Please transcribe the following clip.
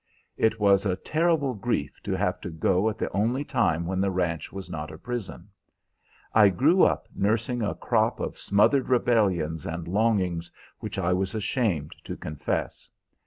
It was a terrible grief to have to go at the only time when the ranch was not a prison. I grew up nursing a crop of smothered rebellions and longings which I was ashamed to confess.